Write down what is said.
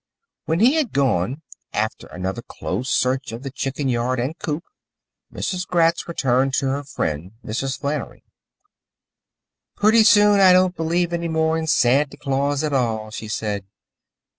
When he had gone, after another close search of the chicken yard and coop, Mrs. Gratz returned to her friend, Mrs. Flannery. "Purty soon I don't belief any more in Santy Claus at all," she said.